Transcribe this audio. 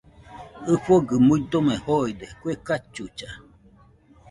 ɨfɨgɨ muidomo joide kue cachucha